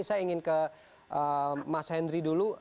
saya ingin ke mas henry dulu